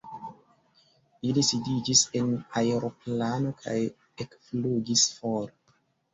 Ili sidiĝis en aeroplano kaj ekflugis for.